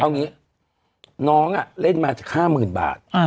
เอางี้น้องเล่นมาจาก๕๐๐๐บาท